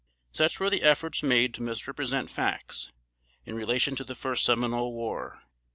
Such were the efforts made to misrepresent facts, in relation to the first Seminole War.